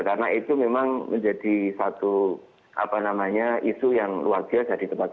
karena itu memang menjadi satu apa namanya isu yang luar biasa di tempat kami